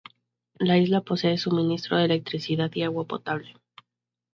La isla posee suministro de electricidad y agua potable.